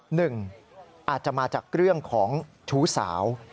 หนึ่งอาจจะมาจากเรื่องของชู้สาว